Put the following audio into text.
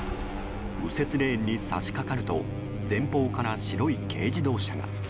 右折レーンに差し掛かると前方から白い軽自動車が。